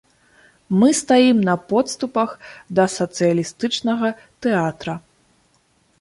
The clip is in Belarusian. Мы стаім на подступах да сацыялістычнага тэатра.